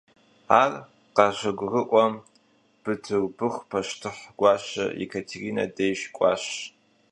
Ар къащыгурыӀуэм, Бытырбыху пащтыхь гуащэ Екатеринэ деж кӀуащ.